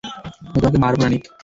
আমি তোমাকে মারব না, নিক।